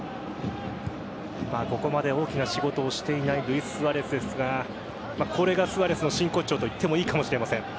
ここまで大きな仕事をしていないルイススアレスですがこれがスアレスの真骨頂といってもいいかもしれません。